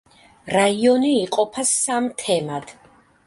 რაიონი იყოფა სამ თემად.